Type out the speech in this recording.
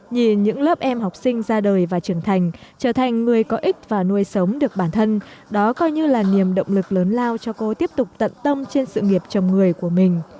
nhìn những lớp em học sinh ra đời và trưởng thành trở thành người có ích và nuôi sống được bản thân đó coi như là niềm động lực lớn lao cho cô tiếp tục tận tâm trên sự nghiệp chồng người của mình